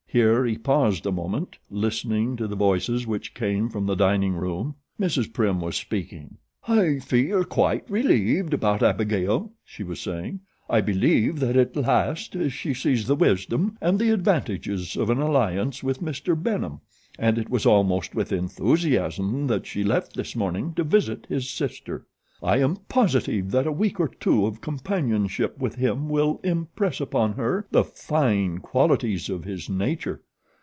Here he paused a moment listening to the voices which came from the dining room. Mrs. Prim was speaking. "I feel quite relieved about Abigail," she was saying. "I believe that at last she sees the wisdom and the advantages of an alliance with Mr. Benham, and it was almost with enthusiasm that she left this morning to visit his sister. I am positive that a week or two of companionship with him will impress upon her the fine qualities of his nature.